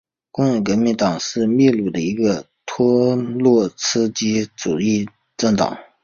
工人革命党是秘鲁的一个托洛茨基主义政党。